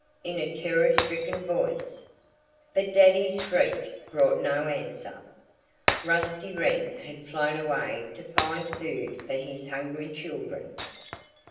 in a terror stricken voice. But Daddy's shrieks brought no answer. Rusty Wren had flown away to find food for his hungry children.